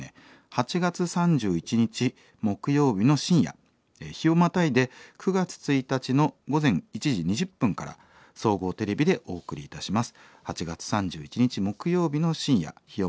８月３１日木曜日の深夜日をまたいで９月１日の午前１時２０分から総合テレビでお送りいたします。